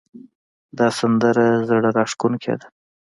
دا سندره زړه راښکونکې ده